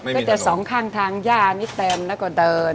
ก็จะสองข้างทางย่านี่เต็มแล้วก็เดิน